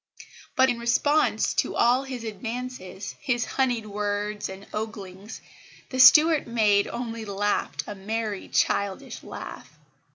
But, in response to all his advances, his honeyed words and oglings, the Stuart maid only laughed a merry childish laugh.